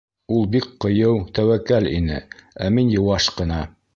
— Ул бик ҡыйыу, тәүәккәл ине, ә мин йыуаш ҡына.